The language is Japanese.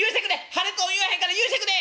破裂音言わへんから許してくれ」。